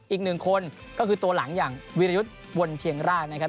อีกหนึ่งคนก็คือตัวหลังอย่างวิรยุทธ์วนเชียงรากนะครับ